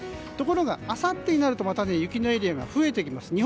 ところが、あさってになるとまた雪のエリアが増えてきます。